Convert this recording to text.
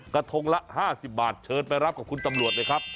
กระทงละ๕๐บาทเชิญไปรับกับคุณตำรวจเลยครับ